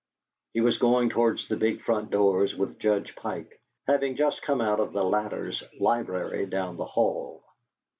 He was going towards the big front doors with Judge Pike, having just come out of the latter's library, down the hall.